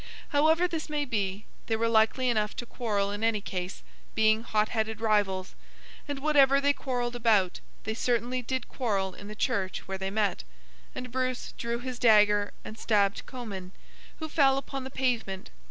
However this may be, they were likely enough to quarrel in any case, being hot headed rivals; and, whatever they quarrelled about, they certainly did quarrel in the church where they met, and Bruce drew his dagger and stabbed Comyn, who fell upon the pavement.